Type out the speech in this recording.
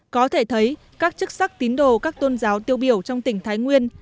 có thể thấy các chức sắc tín đồ các tôn giáo tiêu biểu trong tỉnh thái nguyên